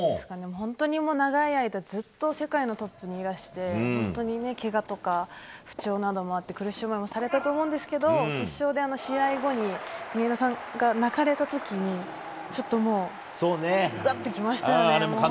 本当に長い間ずっと世界のトップにいらして本当にけがとか不調などもあって苦しい思いもされたと思うんですけど決勝で試合後に国枝さんが泣かれたときにちょっと、グッときましたよね。